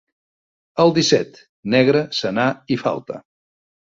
Al disset, negre, senar i falta.